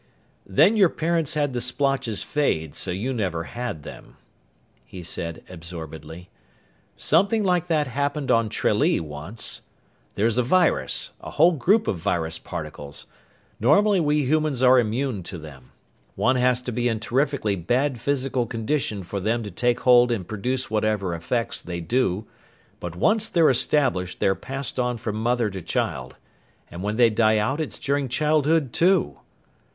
"Then your parents had the splotches fade, so you never had them," he said absorbedly. "Something like that happened on Tralee, once! There's a virus, a whole group of virus particles! Normally we humans are immune to them. One has to be in terrifically bad physical condition for them to take hold and produce whatever effects they do. But once they're established they're passed on from mother to child. And when they die out it's during childhood, too!"